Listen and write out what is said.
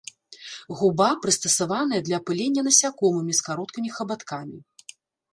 Губа прыстасаваная для апылення насякомымі з кароткімі хабаткамі.